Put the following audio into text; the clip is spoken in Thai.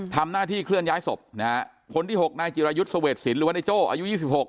ทำหน้าที่เคลื่อนย้ายศพคนที่๖นายจิรายุทธ์สเวชศิลป์หรือว่าในโจอายุ๒๖